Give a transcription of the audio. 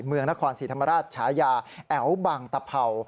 เมืองนครศรีธรรมราชฉายาแอ๋วบางตะเภา